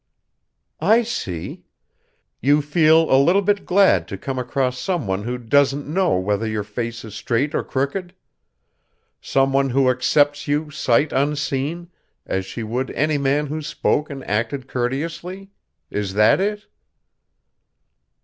"I see. You feel a little bit glad to come across some one who doesn't know whether your face is straight or crooked? Some one who accepts you sight unseen, as she would any man who spoke and acted courteously? Is that it?"